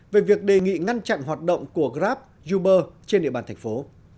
về việc đề nghị ngăn chặn hoạt động của grab uber trên địa bàn thành phố